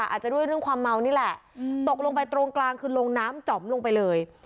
อาจจะด้วยเรื่องความเมานี่แหละตกลงไปตรงกลางคือลงน้ำจ๋อมลงไปเลย